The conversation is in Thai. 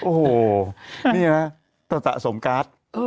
โอ้โหนี่นะสะสมการ์ด